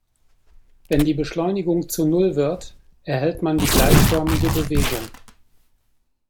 Wenn die Beschleunigung zu null wird, erhält man die gleichförmige Bewegung.